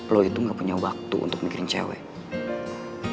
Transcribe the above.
lo itu gak punya waktu untuk mikirin cewek